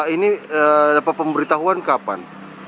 ini dapat pemberitahuan kapan